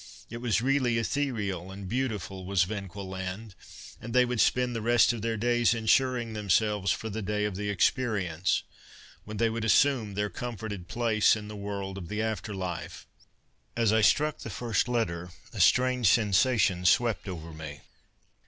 It was really ethereal and beautiful, was Venquil land, and they would spend the rest of their days insuring themselves for the day of the experience when they would assume their comforted place in the world of the After Life. _As I struck the first letter, a strange sensation swept over me.